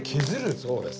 そうです。